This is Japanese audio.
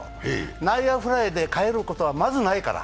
内野フライで帰ることはまずないから。